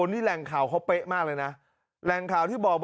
นำเงินของวัดออกมาจริงครับ